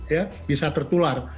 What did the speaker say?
ya bisa tertular